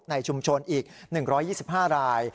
ในชุมชนอีก๑๒๕ราย